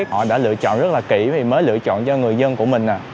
họ đã lựa chọn rất là kỹ vì mới lựa chọn cho người dân của mình